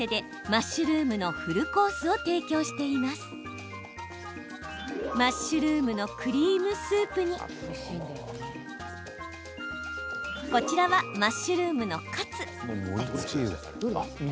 マッシュルームのクリームスープにこちらはマッシュルームのカツ。